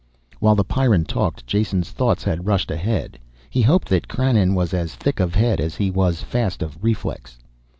While the Pyrran talked, Jason's thoughts had rushed ahead. He hoped that Krannon was as thick of head as he was fast of reflex.